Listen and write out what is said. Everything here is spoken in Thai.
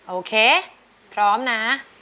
โอเคพร้อมนะ